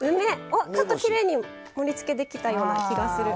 おっちょっときれいに盛りつけできたような気がする。